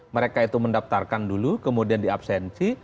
mereka itu mendaftarkan dulu kemudian di absensi